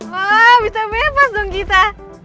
wah bisa bebas dong kita